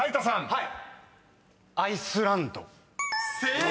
はい。